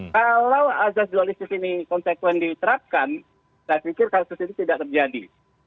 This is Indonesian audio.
kalau ajaran dualistik ini konsekuensi diterapkan saya pikir kasus ini tidak terjadi